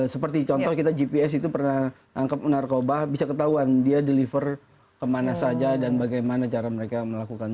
seperti contoh kita gps itu pernah tangkep narkoba bisa ketahuan dia deliver kemana saja dan bagaimana cara mereka melakukan